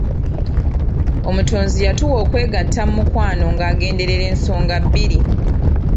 Omutonzi yatuwa okwegatta mu mukwano nga agenderera ensonga bbiri.